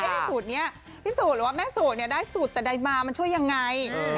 เอ๊ะแม่สูตรหรือว่าแม่สูตรได้สูตรแต่ใดมามันช่วยยังไง